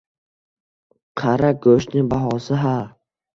Qara, go`shtni bahosi ha